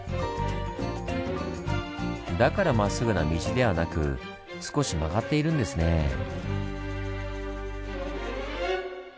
だからまっすぐな道ではなく少し曲がっているんですねぇ。